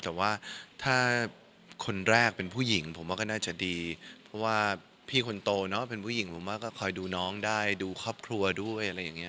แต่ว่าถ้าคนแรกเป็นผู้หญิงผมว่าก็น่าจะดีเพราะว่าพี่คนโตเนอะเป็นผู้หญิงผมว่าก็คอยดูน้องได้ดูครอบครัวด้วยอะไรอย่างนี้